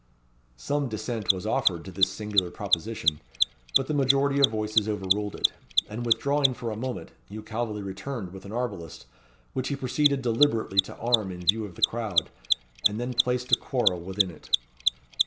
Some dissent was offered to this singular proposition, but the majority of voices overruled it; and withdrawing for a moment, Hugh Calveley returned with an arbalist, which he proceeded deliberately to arm in view of the crowd, and then placed a quarrel within it.